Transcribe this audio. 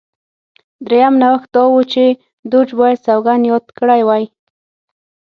درېیم نوښت دا و چې دوج باید سوګند یاد کړی وای